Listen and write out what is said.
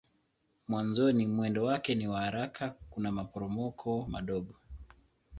Mwanzoni mwendo wake ni wa haraka kuna maporomoko madogo.